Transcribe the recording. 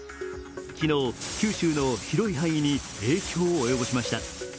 昨日、九州の広い範囲に影響を及ぼしました。